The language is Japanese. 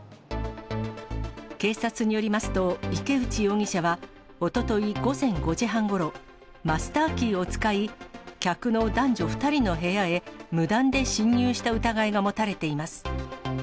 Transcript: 警察によりますと、池内容疑者はおととい午前５時半ごろ、マスターキーを使い、客の男女２人の部屋へ無断で侵入した疑いが持たれています。